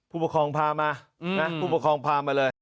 ผู้ประคองพามาผู้ประคองพามาเลย